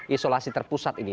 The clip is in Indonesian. isolasi terpusat ini